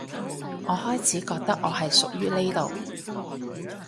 我開始覺得我係屬於呢度